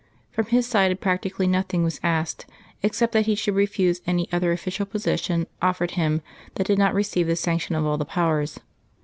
From his side practically nothing was asked, except that he should refuse any other official position offered him that did not receive the sanction of all the Powers.